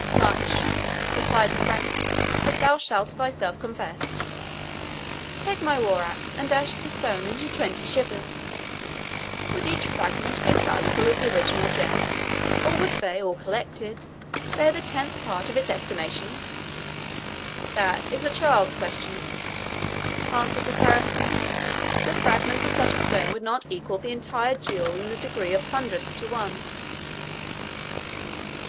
"Much," replied the Frank, "as thou shalt thyself confess. Take my war axe and dash the stone into twenty shivers: would each fragment be as valuable as the original gem, or would they, all collected, bear the tenth part of its estimation?" "That is a child's question," answered the Saracen; "the fragments of such a stone would not equal the entire jewel in the degree of hundreds to one."